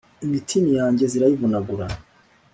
imitini yanjye zirayivunagura;